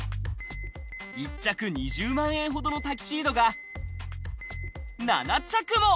１着２０万円ほどのタキシードが７着も。